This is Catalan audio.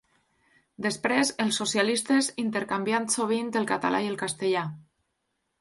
Després, els socialistes, intercanviant sovint el català i el castellà.